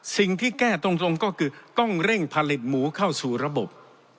สิ่งที่แก้ตรงก็คือต้องเร่งผลิตหมูเข้าสู่ระบบ